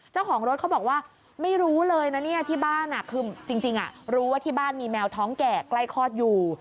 เจ้าของรถเขาบอกว่าไม่รู้เลยนะเนี่ยที่บ้านคือจริงรู้ว่าที่บ้านมีแมวท้องแก่ใกล้คลอดอยู่